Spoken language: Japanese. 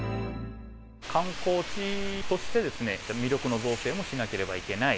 観光地として魅力の増勢もしなければいけない。